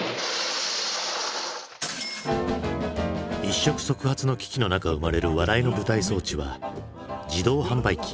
一触即発の危機の中生まれる笑いの舞台装置は自動販売機。